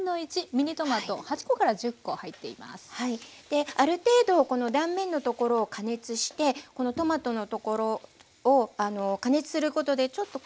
である程度この断面のところを加熱してトマトのところを加熱することでちょっと